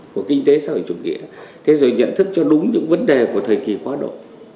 của kinh tế xã hội chủ nghĩa thế rồi nhận thức cho đúng những vấn đề của thời kỳ quá độ